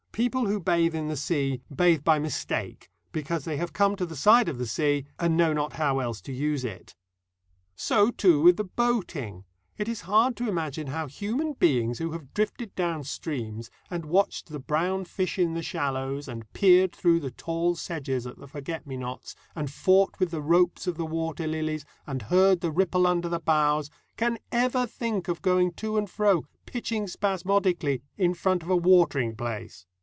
People who bathe in the sea bathe by mistake, because they have come to the side of the sea, and know not how else to use it. So, too, with the boating. It is hard to imagine how human beings who have drifted down streams, and watched the brown fish in the shallows, and peered through the tall sedges at the forget me nots, and fought with the ropes of the water lilies, and heard the ripple under the bows, can ever think of going to and fro, pitching spasmodically, in front of a watering place.